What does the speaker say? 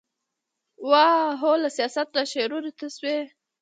واه ! هو له سياست نه شعرونو ته شوې ،